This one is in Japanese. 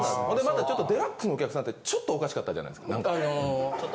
ほんでまたちょっと『ＤＸ』のお客さんってちょっとおかしかったじゃないですか。